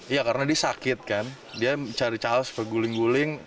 iya karena dia sakit kan dia cari jalan sampai guling guling